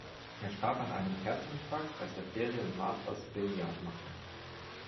Er starb an einem Herzinfarkt, als er Ferien in Martha's Vineyard machte.